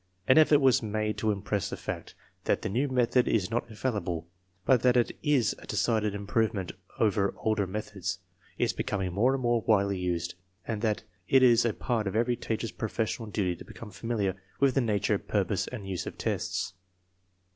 An effort 100 TESTS AND SCHOOL REORGANIZATION was made to impress the fact that the new method is not infallible, but that it is a decided improvement over older methods, is becoming more and more widely used, and that it is a part of every teacher's professional duty to become familiar with the nature, purpose, and use of tests.